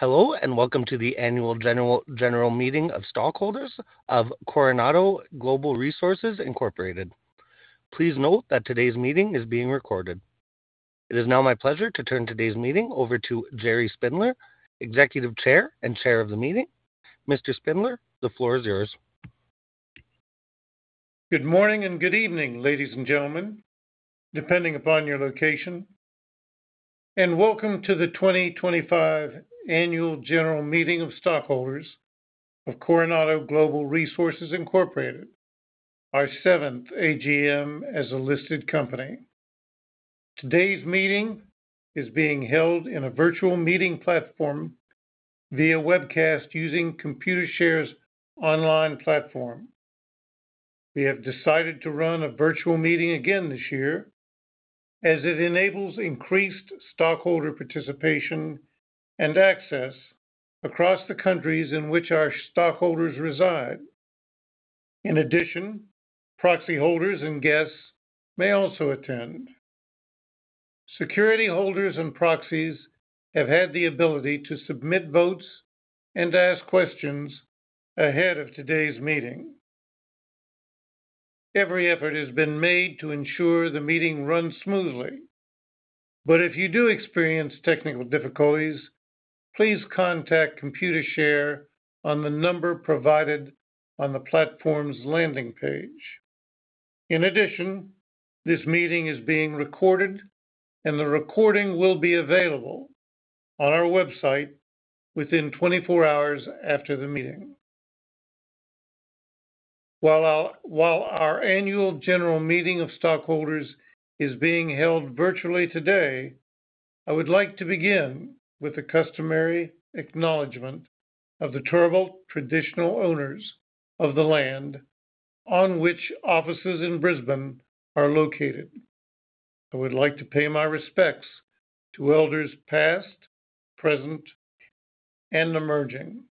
Hello, and welcome to the annual general meeting of stockholders of Coronado Global Resources Incorporated. Please note that today's meeting is being recorded. It is now my pleasure to turn today's meeting over to Gerry Spindler, Executive Chair and Chair of the Meeting. Mr. Spindler, the floor is yours. Good morning and good evening, ladies and gentlemen, depending upon your location. Welcome to the 2025 Annual General Meeting of stockholders of Coronado Global Resources Incorporated, our seventh AGM as a listed company. Today's meeting is being held in a virtual meeting platform via webcast using Computershare's online platform. We have decided to run a virtual meeting again this year as it enables increased stockholder participation and access across the countries in which our stockholders reside. In addition, proxy holders and guests may also attend. Security holders and proxies have had the ability to submit votes and ask questions ahead of today's meeting. Every effort has been made to ensure the meeting runs smoothly, but if you do experience technical difficulties, please contact Computershare on the number provided on the platform's landing page. In addition, this meeting is being recorded, and the recording will be available on our website within 24 hours after the meeting. While our annual general meeting of stockholders is being held virtually today, I would like to begin with a customary acknowledgment of the Turrbal traditional owners of the land on which offices in Brisbane are located. I would like to pay my respects to elders past, present, and emerging.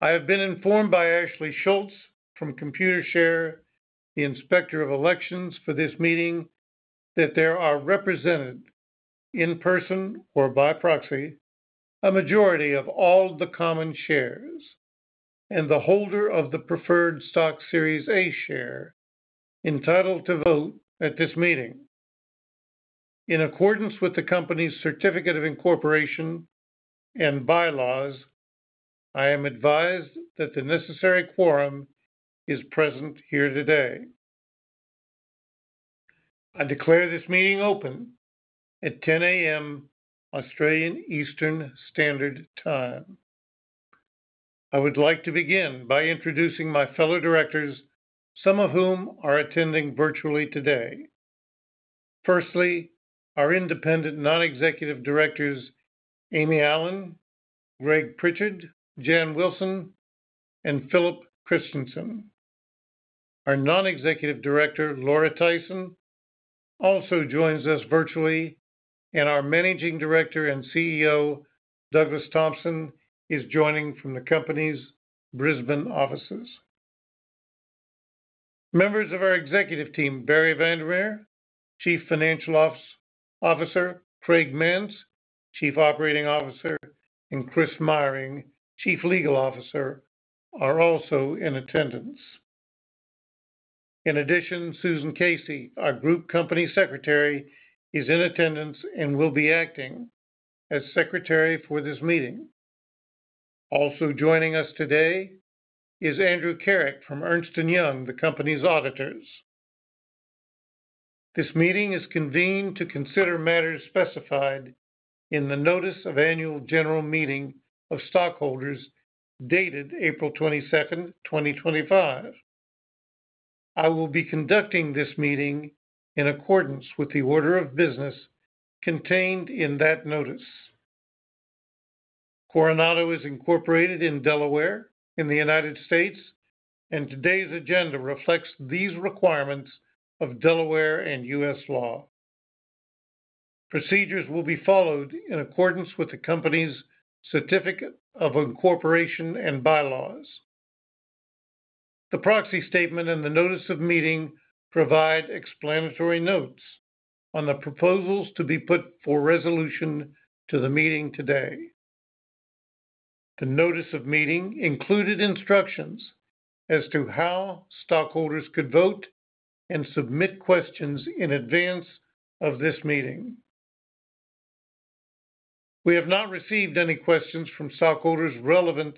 I have been informed by Ashley Schultz from Computershare, the inspector of elections for this meeting, that there are represented, in person or by proxy, a majority of all the common shares and the holder of the preferred stock Series A share entitled to vote at this meeting. In accordance with the company's certificate of incorporation and bylaws, I am advised that the necessary quorum is present here today. I declare this meeting open at 10:00 A.M. Australian Eastern Standard Time. I would like to begin by introducing my fellow directors, some of whom are attending virtually today. Firstly, our independent non-executive directors, Aimee Allen, Greg Pritchard, Jan Wilson, and Philip Christensen. Our non-executive director, Laura Tyson, also joins us virtually, and our Managing Director and CEO, Douglas Thompson, is joining from the company's Brisbane offices. Members of our executive team, Barrie van der Merwe, Chief Financial Officer, Craig Manz, Chief Operating Officer, and Chris Meyering, Chief Legal Officer, are also in attendance. In addition, Susan Casey, our Group Company Secretary, is in attendance and will be acting as secretary for this meeting. Also joining us today is Andrew Kerrick from Ernst & Young, the company's auditors. This meeting is convened to consider matters specified in the Notice of Annual General Meeting of Stockholders dated April 22, 2025. I will be conducting this meeting in accordance with the order of business contained in that notice. Coronado is incorporated in Delaware in the United States, and today's agenda reflects these requirements of Delaware and U.S. law. Procedures will be followed in accordance with the company's certificate of incorporation and bylaws. The proxy statement and the notice of meeting provide explanatory notes on the proposals to be put for resolution to the meeting today. The notice of meeting included instructions as to how stockholders could vote and submit questions in advance of this meeting. We have not received any questions from stockholders relevant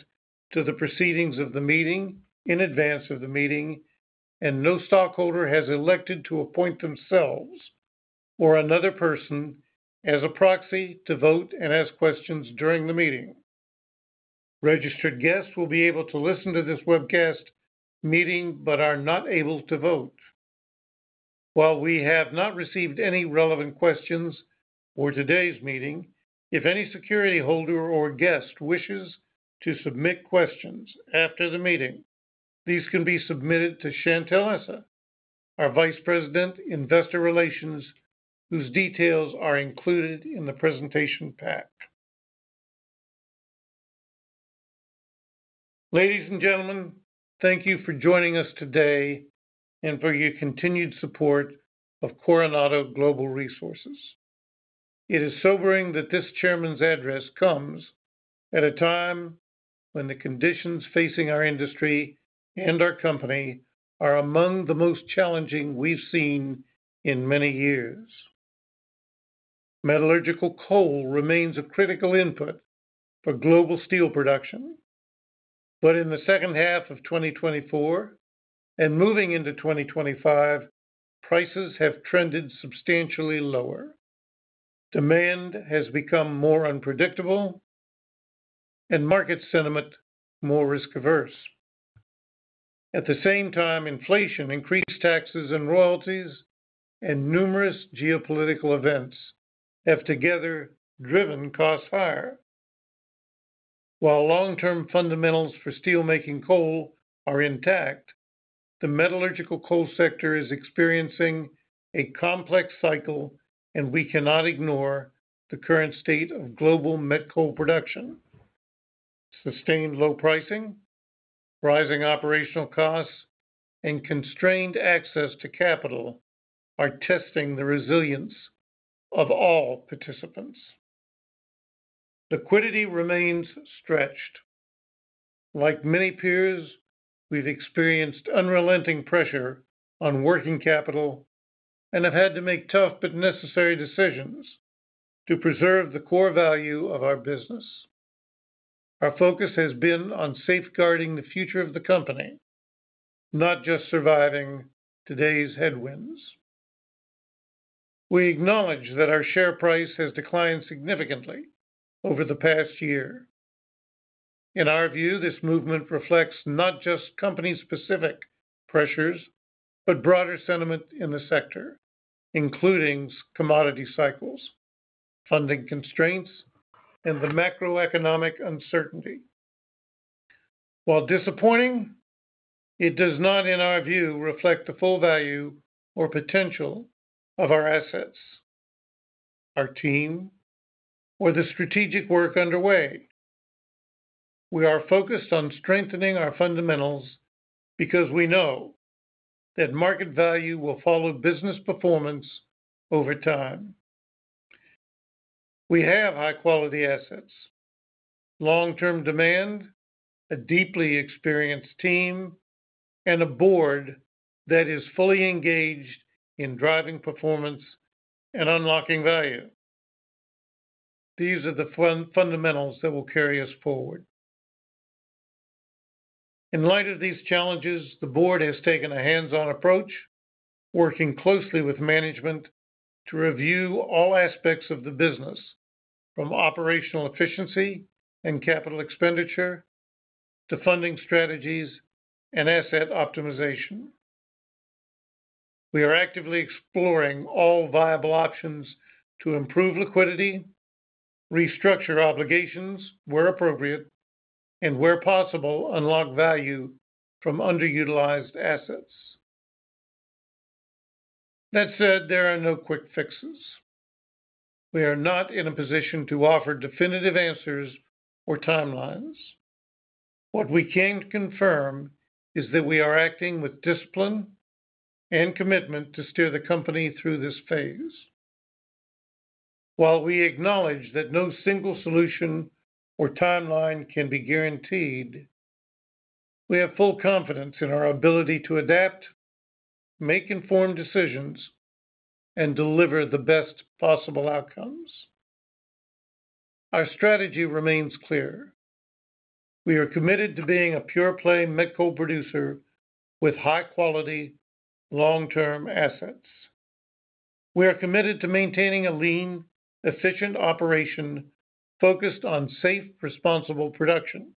to the proceedings of the meeting in advance of the meeting, and no stockholder has elected to appoint themselves or another person as a proxy to vote and ask questions during the meeting. Registered guests will be able to listen to this webcast meeting but are not able to vote. While we have not received any relevant questions for today's meeting, if any security holder or guest wishes to submit questions after the meeting, these can be submitted to Chantelle Essa, our Vice President, Investor Relations, whose details are included in the presentation pack. Ladies and gentlemen, thank you for joining us today and for your continued support of Coronado Global Resources. It is sobering that this Chairman's address comes at a time when the conditions facing our industry and our company are among the most challenging we have seen in many years. Metallurgical coal remains a critical input for global steel production, but in the second half of 2024 and moving into 2025, prices have trended substantially lower. Demand has become more unpredictable, and market sentiment more risk-averse. At the same time, inflation, increased taxes, and royalties, and numerous geopolitical events have together driven costs higher. While long-term fundamentals for steelmaking coal are intact, the metallurgical coal sector is experiencing a complex cycle, and we cannot ignore the current state of global met coal production. Sustained low pricing, rising operational costs, and constrained access to capital are testing the resilience of all participants. Liquidity remains stretched. Like many peers, we've experienced unrelenting pressure on working capital and have had to make tough but necessary decisions to preserve the core value of our business. Our focus has been on safeguarding the future of the company, not just surviving today's headwinds. We acknowledge that our share price has declined significantly over the past year. In our view, this movement reflects not just company-specific pressures but broader sentiment in the sector, including commodity cycles, funding constraints, and the macroeconomic uncertainty. While disappointing, it does not, in our view, reflect the full value or potential of our assets, our team, or the strategic work underway. We are focused on strengthening our fundamentals because we know that market value will follow business performance over time. We have high-quality assets, long-term demand, a deeply experienced team, and a board that is fully engaged in driving performance and unlocking value. These are the fundamentals that will carry us forward. In light of these challenges, the board has taken a hands-on approach, working closely with management to review all aspects of the business, from operational efficiency and capital expenditure to funding strategies and asset optimization. We are actively exploring all viable options to improve liquidity, restructure obligations where appropriate, and where possible, unlock value from underutilized assets. That said, there are no quick fixes. We are not in a position to offer definitive answers or timelines. What we can confirm is that we are acting with discipline and commitment to steer the company through this phase. While we acknowledge that no single solution or timeline can be guaranteed, we have full confidence in our ability to adapt, make informed decisions, and deliver the best possible outcomes. Our strategy remains clear. We are committed to being a pure-play met coal producer with high-quality, long-term assets. We are committed to maintaining a lean, efficient operation focused on safe, responsible production.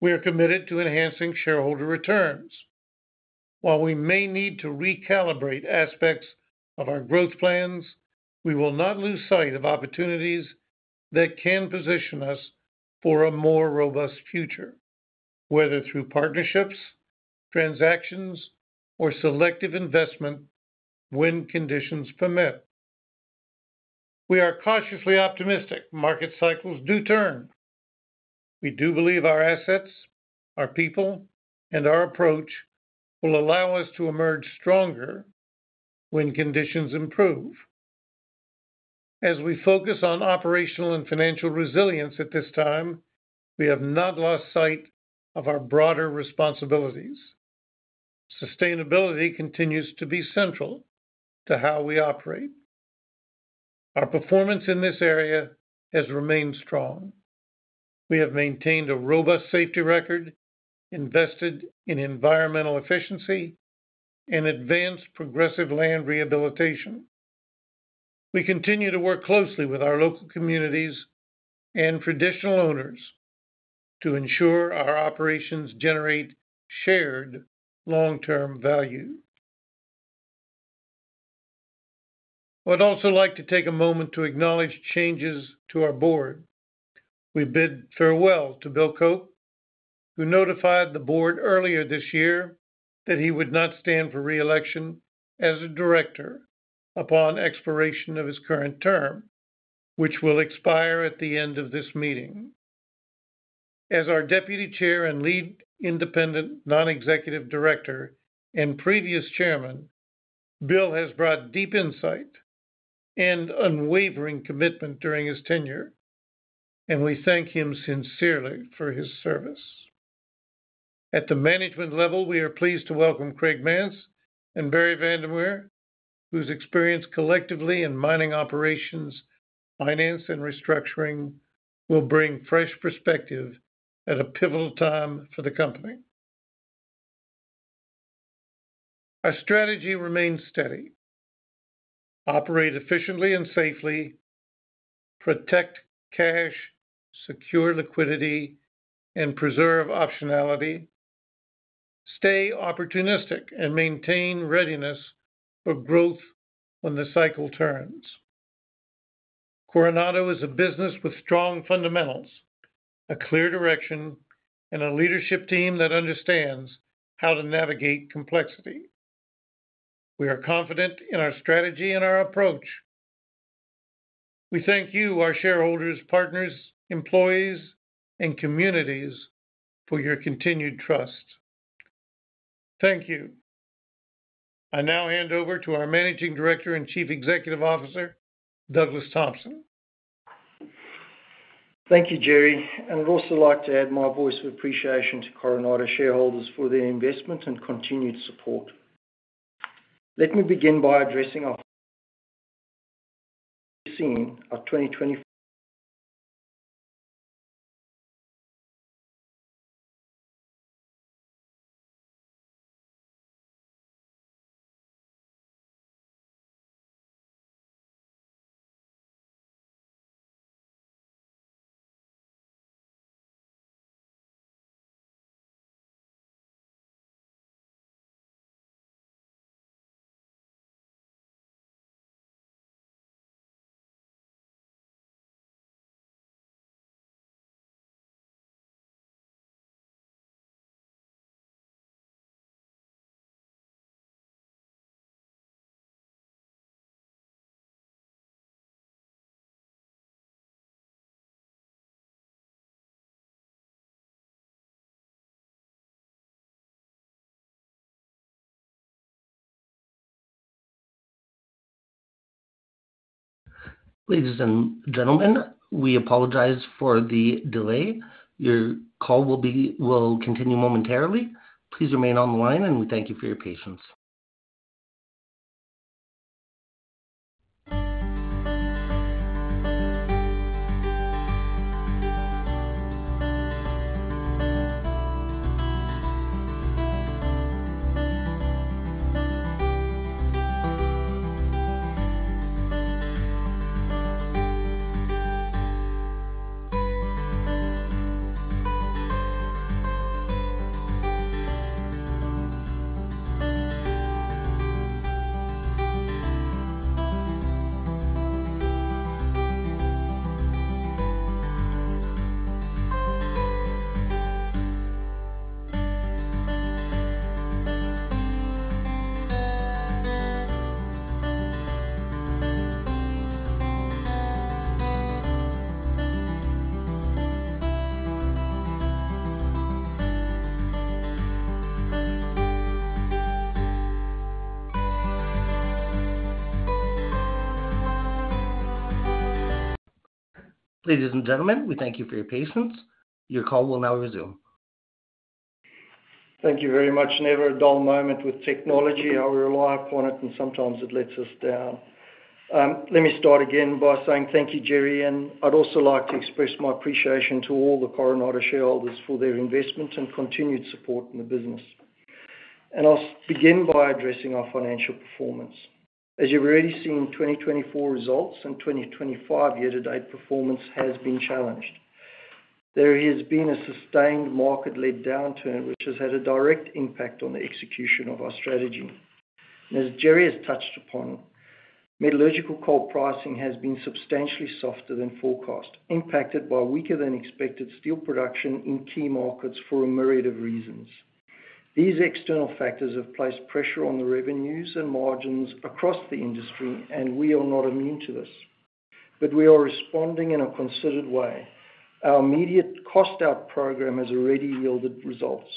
We are committed to enhancing shareholder returns. While we may need to recalibrate aspects of our growth plans, we will not lose sight of opportunities that can position us for a more robust future, whether through partnerships, transactions, or selective investment when conditions permit. We are cautiously optimistic market cycles do turn. We do believe our assets, our people, and our approach will allow us to emerge stronger when conditions improve. As we focus on operational and financial resilience at this time, we have not lost sight of our broader responsibilities. Sustainability continues to be central to how we operate. Our performance in this area has remained strong. We have maintained a robust safety record, invested in environmental efficiency, and advanced progressive land rehabilitation. We continue to work closely with our local communities and traditional owners to ensure our operations generate shared long-term value. I would also like to take a moment to acknowledge changes to our board. We bid farewell to Bill Koch, who notified the board earlier this year that he would not stand for reelection as a director upon expiration of his current term, which will expire at the end of this meeting. As our Deputy Chair and lead independent non-executive director and previous Chairman, Bill has brought deep insight and unwavering commitment during his tenure, and we thank him sincerely for his service. At the management level, we are pleased to welcome Craig Manz and Barrie van der Merwe, whose experience collectively in mining operations, finance, and restructuring will bring fresh perspective at a pivotal time for the company. Our strategy remains steady: operate efficiently and safely, protect cash, secure liquidity, and preserve optionality, stay opportunistic, and maintain readiness for growth when the cycle turns. Coronado is a business with strong fundamentals, a clear direction, and a leadership team that understands how to navigate complexity. We are confident in our strategy and our approach. We thank you, our shareholders, partners, employees, and communities, for your continued trust. Thank you. I now hand over to our Managing Director and Chief Executive Officer, Douglas Thompson. Thank you, Gerry. I'd also like to add my voice of appreciation to Coronado shareholders for their investment and continued support. Let me begin by addressing our scene of 2024. Ladies and gentlemen, we apologize for the delay. Your call will continue momentarily. Please remain on the line, and we thank you for your patience. Ladies and gentlemen, we thank you for your patience. Your call will now resume. Thank you very much. Never a dull moment with technology. How we rely upon it, and sometimes it lets us down. Let me start again by saying thank you, Gerry, and I'd also like to express my appreciation to all the Coronado shareholders for their investment and continued support in the business. I'll begin by addressing our financial performance. As you've already seen, 2024 results and 2025 year-to-date performance have been challenged. There has been a sustained market-led downturn, which has had a direct impact on the execution of our strategy. As Gerry has touched upon, metallurgical coal pricing has been substantially softer than forecast, impacted by weaker-than-expected steel production in key markets for a myriad of reasons. These external factors have placed pressure on the revenues and margins across the industry, and we are not immune to this, but we are responding in a concerted way. Our immediate cost-out program has already yielded results.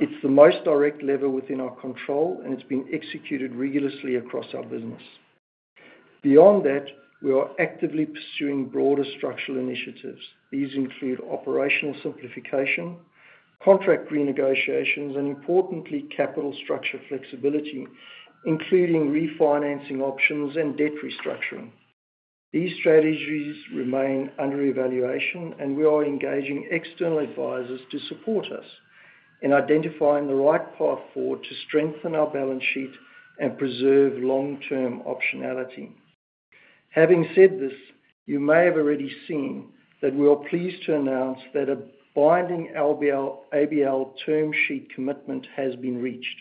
It's the most direct lever within our control, and it's been executed rigorously across our business. Beyond that, we are actively pursuing broader structural initiatives. These include operational simplification, contract renegotiations, and, importantly, capital structure flexibility, including refinancing options and debt restructuring. These strategies remain under evaluation, and we are engaging external advisors to support us in identifying the right path forward to strengthen our balance sheet and preserve long-term optionality. Having said this, you may have already seen that we are pleased to announce that a binding ABL term sheet commitment has been reached.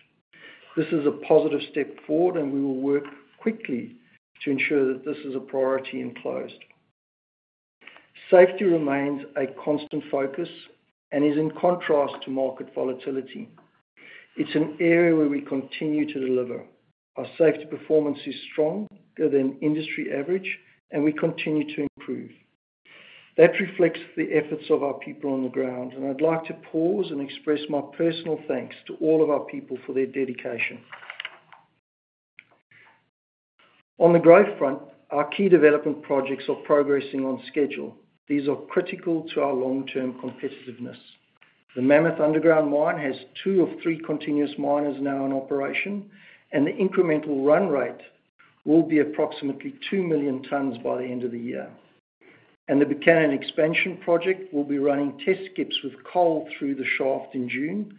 This is a positive step forward, and we will work quickly to ensure that this is a priority in close. Safety remains a constant focus and is in contrast to market volatility. It's an area where we continue to deliver. Our safety performance is stronger than industry average, and we continue to improve. That reflects the efforts of our people on the ground, and I'd like to pause and express my personal thanks to all of our people for their dedication. On the growth front, our key development projects are progressing on schedule. These are critical to our long-term competitiveness. The Mammoth Underground Mine has two of three continuous miners now in operation, and the incremental run rate will be approximately 2 million tons by the end of the year. The Buchanan Expansion Project will be running test skips with coal through the shaft in June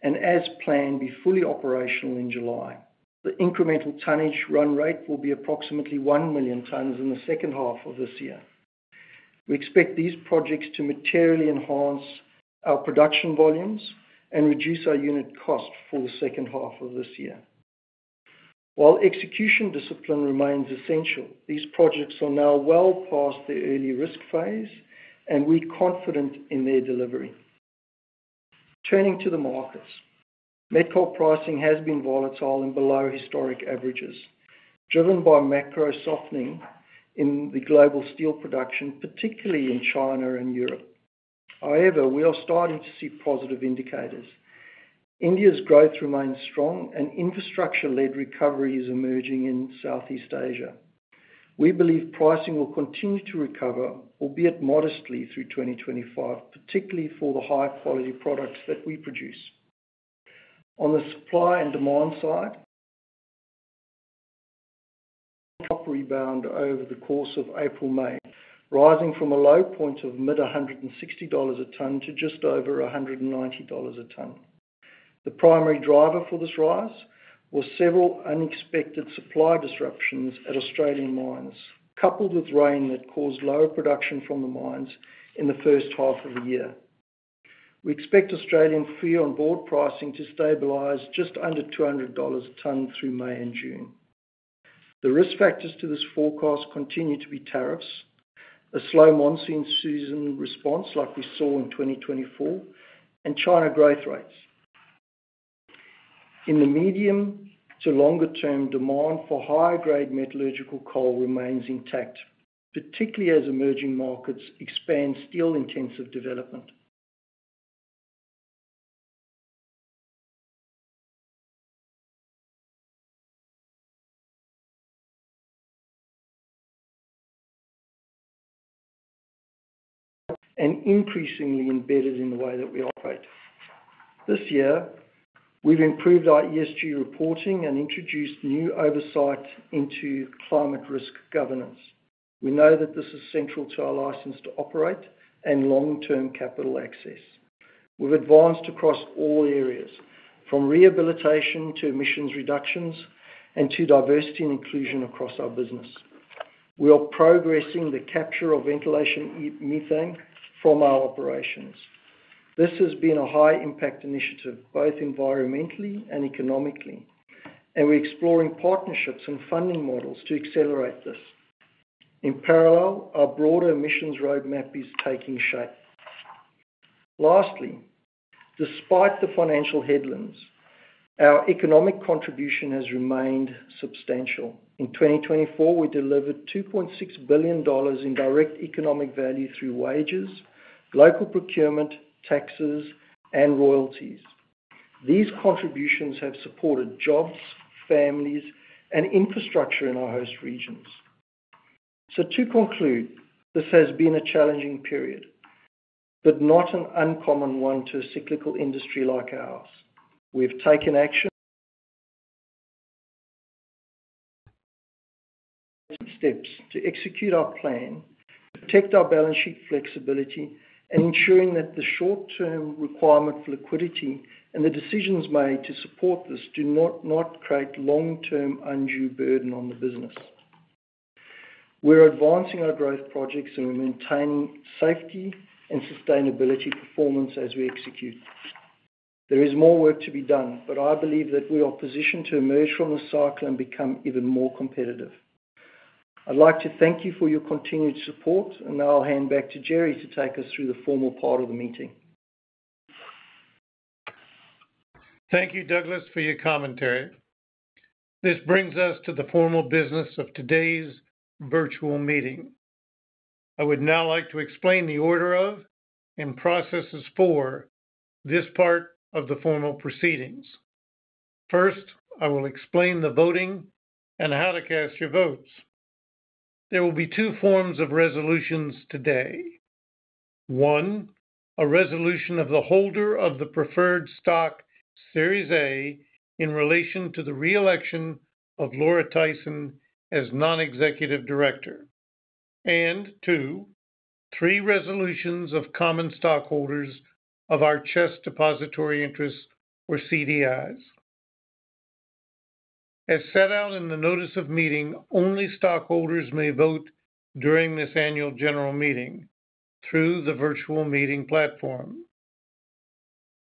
and, as planned, be fully operational in July. The incremental tonnage run rate will be approximately 1 million tons in the second half of this year. We expect these projects to materially enhance our production volumes and reduce our unit cost for the second half of this year. While execution discipline remains essential, these projects are now well past their early risk phase, and we're confident in their delivery. Turning to the markets, met coal pricing has been volatile and below historic averages, driven by macro softening in the global steel production, particularly in China and Europe. However, we are starting to see positive indicators. India's growth remains strong, and infrastructure-led recovery is emerging in Southeast Asia. We believe pricing will continue to recover, albeit modestly, through 2025, particularly for the high-quality products that we produce. On the supply and demand side, rebound over the course of April-May, rising from a low point of mid-$160 a ton to just over $190 a ton. The primary driver for this rise was several unexpected supply disruptions at Australian Mines, coupled with rain that caused low production from the mines in the first half of the year. We expect Australian free on board pricing to stabilize just under $200 a ton through May and June. The risk factors to this forecast continue to be tariffs, a slow monsoon season response like we saw in 2024, and China growth rates. In the medium to longer term, demand for higher-grade metallurgical coal remains intact, particularly as emerging markets expand steel-intensive development. Increasingly embedded in the way that we operate. This year, we've improved our ESG reporting and introduced new oversight into climate risk governance. We know that this is central to our license to operate and long-term capital access. We've advanced across all areas, from rehabilitation to emissions reductions and to diversity and inclusion across our business. We are progressing the capture of ventilation methane from our operations. This has been a high-impact initiative, both environmentally and economically, and we're exploring partnerships and funding models to accelerate this. In parallel, our broader emissions roadmap is taking shape. Lastly, despite the financial headwinds, our economic contribution has remained substantial. In 2024, we delivered $2.6 billion in direct economic value through wages, local procurement, taxes, and royalties. These contributions have supported jobs, families, and infrastructure in our host regions. To conclude, this has been a challenging period, but not an uncommon one to a cyclical industry like ours. We've taken action steps to execute our plan, protect our balance sheet flexibility, and ensure that the short-term requirement for liquidity and the decisions made to support this do not create long-term undue burden on the business. We're advancing our growth projects, and we're maintaining safety and sustainability performance as we execute. There is more work to be done, but I believe that we are positioned to emerge from the cycle and become even more competitive. I'd like to thank you for your continued support, and now I'll hand back to Gerry to take us through the formal part of the meeting. Thank you, Douglas, for your commentary. This brings us to the formal business of today's virtual meeting. I would now like to explain the order of and processes for this part of the formal proceedings. First, I will explain the voting and how to cast your votes. There will be two forms of resolutions today. One, a resolution of the holder of the preferred stock Series A in relation to the reelection of Laura Tyson as non-executive director. And two, three resolutions of common stockholders of our CHESS Depository Interests, or CDIs. As set out in the notice of meeting, only stockholders may vote during this Annual General Meeting through the virtual meeting platform.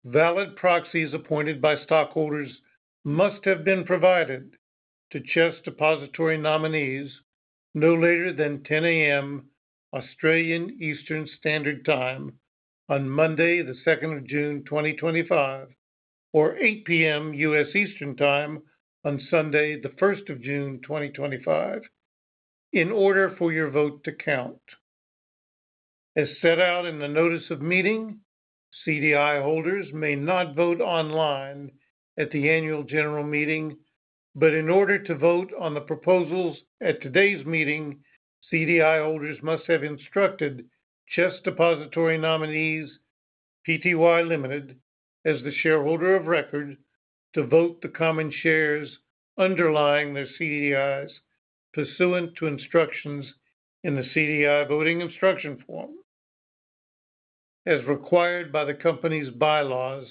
Valid proxies appointed by stockholders must have been provided to CHESS Depositary Nominees no later than 10:00 A.M. Australian Eastern Standard Time on Monday, the 2nd of June 2025, or 8:00 P.M. U.S. Eastern Time on Sunday, the 1st of June 2025, in order for your vote to count. As set out in the notice of meeting, CDI holders may not vote online at the Annual General Meeting, but in order to vote on the proposals at today's meeting, CDI holders must have instructed CHESS Depositary Nominees Pty Limited, as the shareholder of record, to vote the common shares underlying their CDIs, pursuant to instructions in the CDI voting instruction form. As required by the company's bylaws,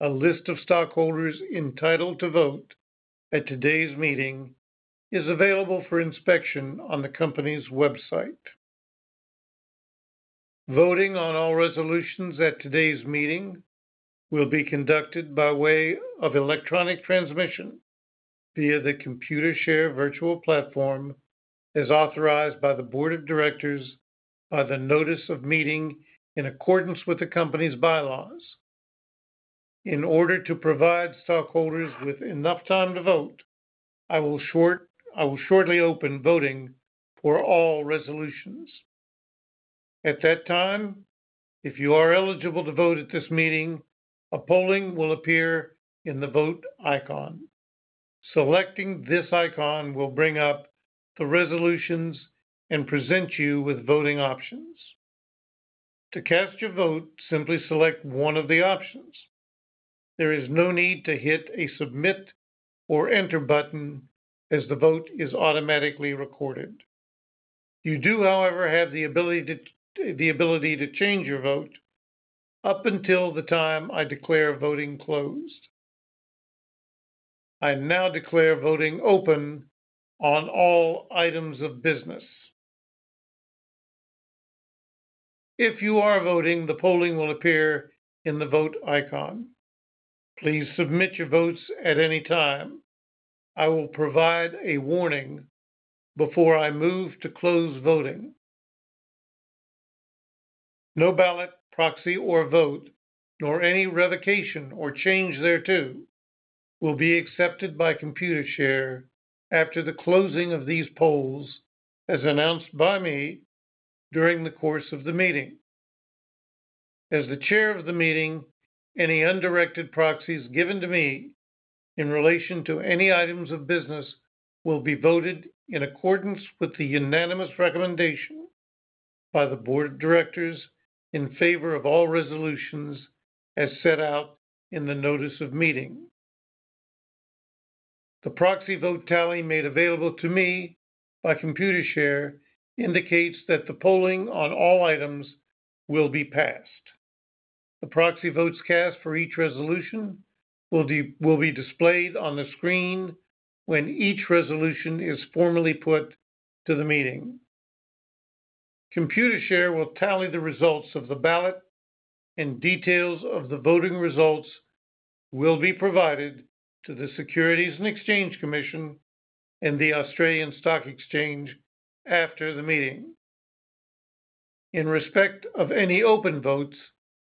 a list of stockholders entitled to vote at today's meeting is available for inspection on the company's website. Voting on all resolutions at today's meeting will be conducted by way of electronic transmission via the Computershare virtual platform as authorized by the board of directors by the notice of meeting in accordance with the company's bylaws. In order to provide stockholders with enough time to vote, I will shortly open voting for all resolutions. At that time, if you are eligible to vote at this meeting, a polling will appear in the vote icon. Selecting this icon will bring up the resolutions and present you with voting options. To cast your vote, simply select one of the options. There is no need to hit a submit or enter button as the vote is automatically recorded. You do, however, have the ability to change your vote up until the time I declare voting closed. I now declare voting open on all items of business. If you are voting, the polling will appear in the vote icon. Please submit your votes at any time. I will provide a warning before I move to close voting. No ballot, proxy, or vote, nor any revocation or change thereto will be accepted by Computershare after the closing of these polls as announced by me during the course of the meeting. As the Chair of the Meeting, any undirected proxies given to me in relation to any items of business will be voted in accordance with the unanimous recommendation by the Board of Directors in favor of all resolutions as set out in the notice of meeting. The proxy vote tally made available to me by Computershare indicates that the polling on all items will be passed. The proxy votes cast for each resolution will be displayed on the screen when each resolution is formally put to the meeting. Computershare will tally the results of the ballot, and details of the voting results will be provided to the Securities and Exchange Commission and the Australian Stock Exchange after the meeting. In respect of any open votes,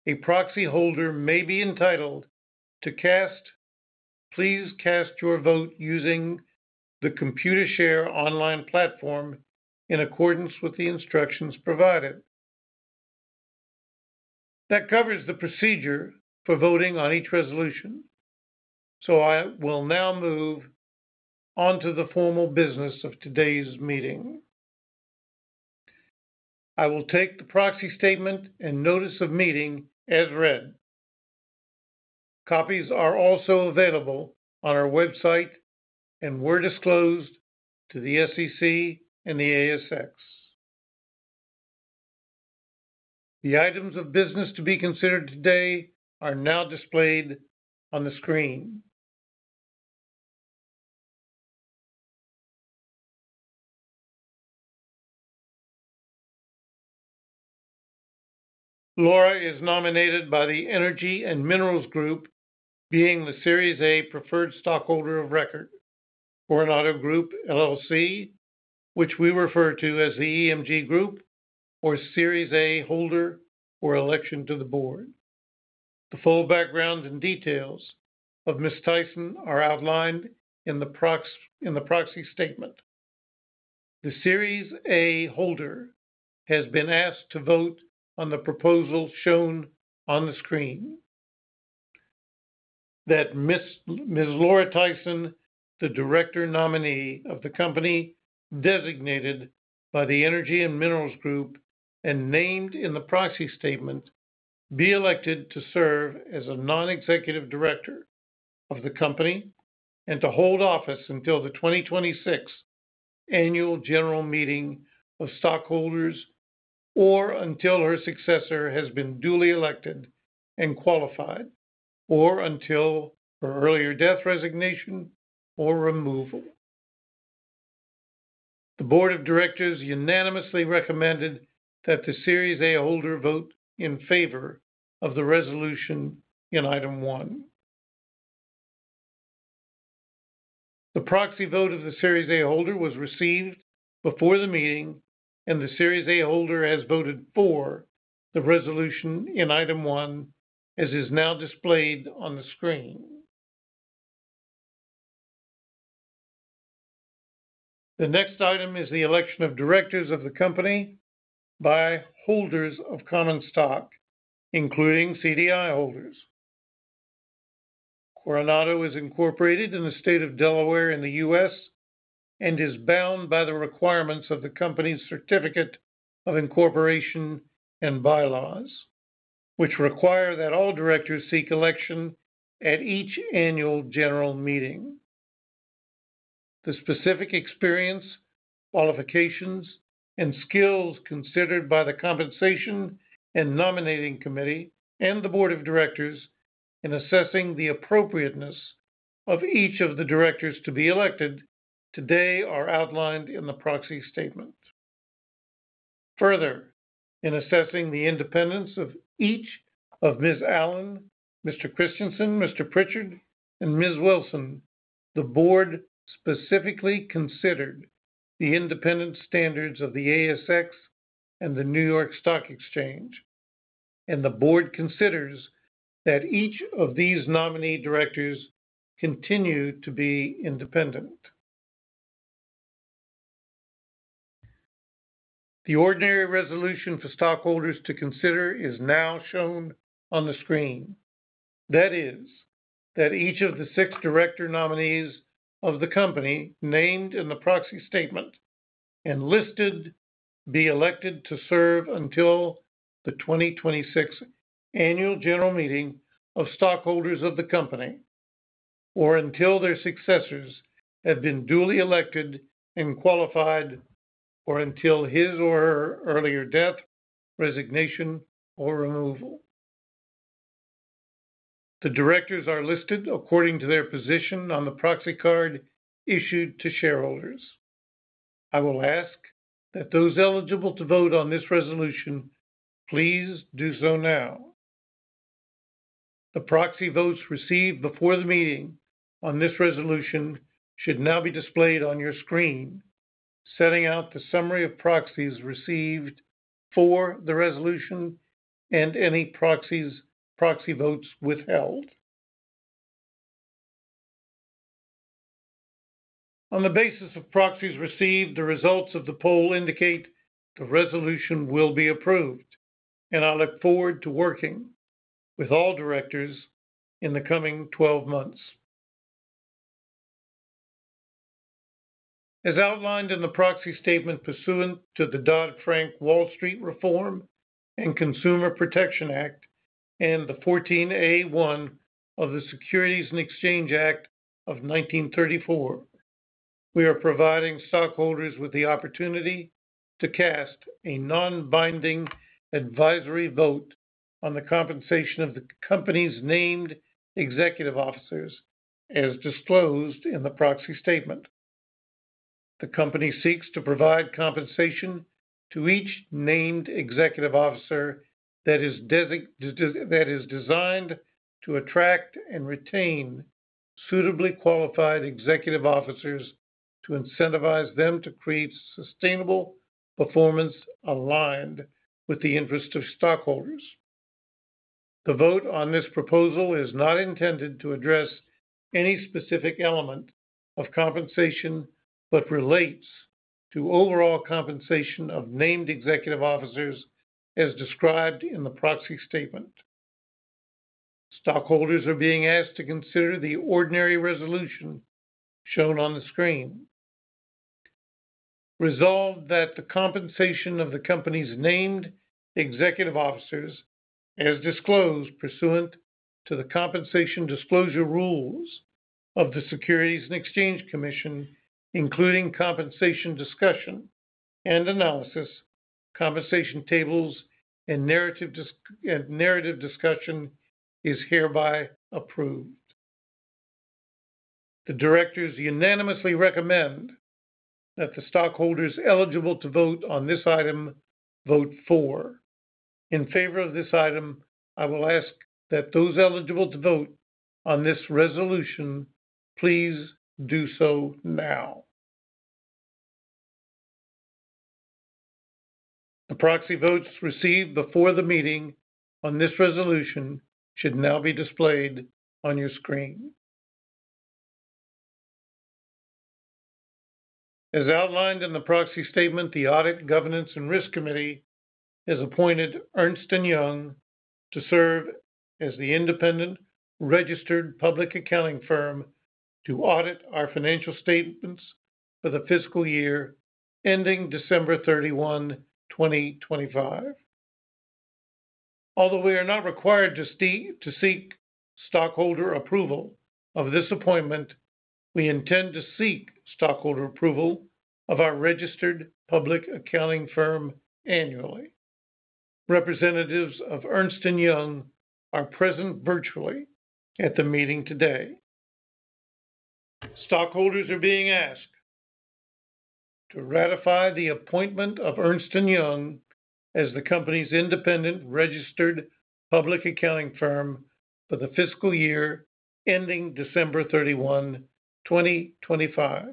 a proxy holder may be entitled to cast. Please cast your vote using the Computershare online platform in accordance with the instructions provided. That covers the procedure for voting on each resolution, so I will now move on to the formal business of today's meeting. I will take the proxy statement and notice of meeting as read. Copies are also available on our website and were disclosed to the SEC and the ASX. The items of business to be considered today are now displayed on the screen. Laura is nominated by the Energy & Minerals Group, being the Series A preferred stockholder of record for an Autogroup LLC, which we refer to as the EMG Group, or Series A holder for election to the board. The full background and details of Ms. Tyson are outlined in the proxy statement. The Series A holder has been asked to vote on the proposal shown on the screen. That Ms. Laura Tyson, the director nominee of the company designated by the Energy & Minerals Group and named in the proxy statement, be elected to serve as a non-executive director of the company and to hold office until the 2026 annual general meeting of stockholders or until her successor has been duly elected and qualified, or until her earlier death, resignation, or removal. The board of directors unanimously recommended that the Series A holder vote in favor of the resolution in item one. The proxy vote of the Series A holder was received before the meeting, and the Series A holder has voted for the resolution in item one as is now displayed on the screen. The next item is the election of directors of the company by holders of common stock, including CDI holders. Coronado is incorporated in the state of Delaware in the U.S. and is bound by the requirements of the company's certificate of incorporation and bylaws, which require that all directors seek election at each annual general meeting. The specific experience, qualifications, and skills considered by the compensation and nominating committee and the board of directors in assessing the appropriateness of each of the directors to be elected today are outlined in the proxy statement. Further, in assessing the independence of each of Ms. Allen, Mr. Christensen, Mr. Pritchard, and Ms. Wilson, the board specifically considered the independent standards of the ASX and the New York Stock Exchange, and the board considers that each of these nominee directors continue to be independent. The ordinary resolution for stockholders to consider is now shown on the screen. That is, that each of the six director nominees of the company named in the proxy statement and listed be elected to serve until the 2026 annual general meeting of stockholders of the company, or until their successors have been duly elected and qualified, or until his or her earlier death, resignation, or removal. The directors are listed according to their position on the proxy card issued to shareholders. I will ask that those eligible to vote on this resolution, please do so now. The proxy votes received before the meeting on this resolution should now be displayed on your screen, setting out the summary of proxies received for the resolution and any proxy votes withheld. On the basis of proxies received, the results of the poll indicate the resolution will be approved, and I look forward to working with all directors in the coming 12 months. As outlined in the proxy statement pursuant to the Dodd-Frank Wall Street Reform and Consumer Protection Act and the 14(a)(1) of the Securities and Exchange Act of 1934, we are providing stockholders with the opportunity to cast a non-binding advisory vote on the compensation of the company's named executive officers as disclosed in the proxy statement. The company seeks to provide compensation to each named executive officer that is designed to attract and retain suitably qualified executive officers to incentivize them to create sustainable performance aligned with the interests of stockholders. The vote on this proposal is not intended to address any specific element of compensation but relates to overall compensation of named executive officers as described in the proxy statement. Stockholders are being asked to consider the ordinary resolution shown on the screen. Resolve that the compensation of the company's named executive officers as disclosed pursuant to the compensation disclosure rules of the Securities and Exchange Commission, including compensation discussion and analysis, compensation tables, and narrative discussion, is hereby approved. The directors unanimously recommend that the stockholders eligible to vote on this item vote for. In favor of this item, I will ask that those eligible to vote on this resolution, please do so now. The proxy votes received before the meeting on this resolution should now be displayed on your screen. As outlined in the proxy statement, the Audit Governance and Risk Committee has appointed Ernst & Young to serve as the independent registered public accounting firm to audit our financial statements for the fiscal year ending December 31, 2025. Although we are not required to seek stockholder approval of this appointment, we intend to seek stockholder approval of our registered public accounting firm annually. Representatives of Ernst & Young are present virtually at the meeting today. Stockholders are being asked to ratify the appointment of Ernst & Young as the company's independent registered public accounting firm for the fiscal year ending December 31, 2025.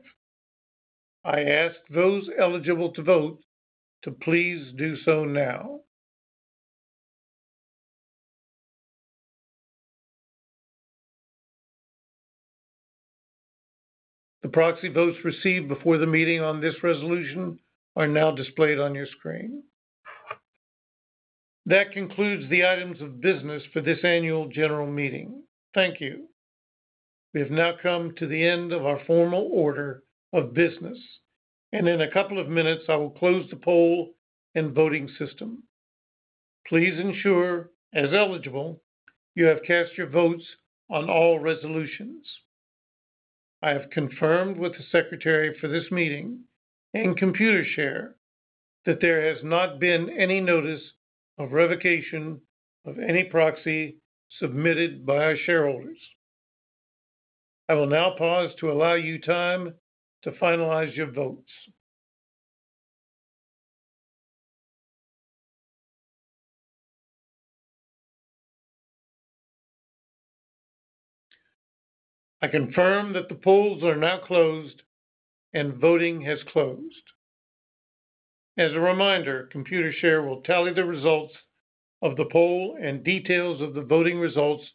I ask those eligible to vote to please do so now. The proxy votes received before the meeting on this resolution are now displayed on your screen. That concludes the items of business for this Annual General Meeting. Thank you. We have now come to the end of our formal order of business, and in a couple of minutes, I will close the poll and voting system. Please ensure, as eligible, you have cast your votes on all resolutions. I have confirmed with the secretary for this meeting and Computershare that there has not been any notice of revocation of any proxy submitted by our shareholders. I will now pause to allow you time to finalize your votes. I confirm that the polls are now closed and voting has closed. As a reminder, Computershare will tally the results of the poll, and details of the voting results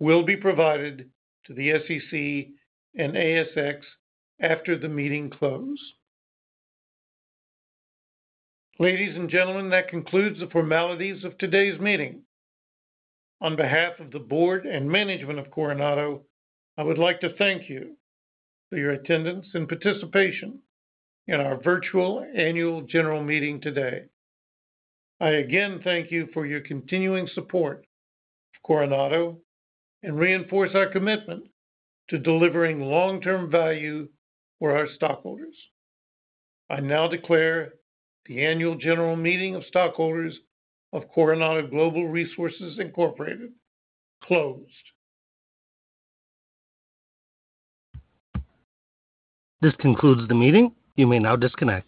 will be provided to the SEC and ASX after the meeting closes. Ladies and gentlemen, that concludes the formalities of today's meeting. On behalf of the board and management of Coronado, I would like to thank you for your attendance and participation in our virtual annual general meeting today. I again thank you for your continuing support of Coronado and reinforce our commitment to delivering long-term value for our stockholders. I now declare the annual general meeting of stockholders of Coronado Global Resources Incorporated closed. This concludes the meeting. You may now disconnect.